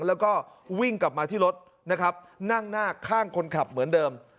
แล้วก็วิ่งกลับมาที่รถนะครับนั่งหน้าข้างคนขับเหมือนเดิม